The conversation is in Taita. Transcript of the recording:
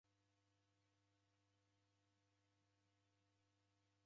Nikajhokwa ni machu, kujuta!